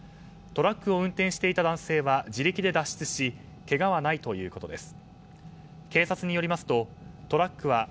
トラックを運転していた男性は自力で脱出しけがはないということです。